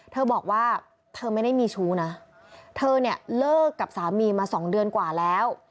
เธอบอกว่าเธอไม่ได้มีชู้นะเธอเนี่ยเลิกกับสามีมาสองเดือนกว่าแล้ว